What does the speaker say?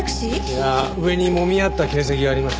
いや上にもみ合った形跡がありました。